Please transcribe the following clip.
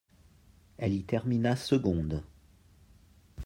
Elle y terminera seconde.